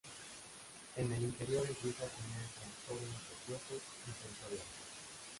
En el interior empieza a tener trastornos nerviosos y sensoriales.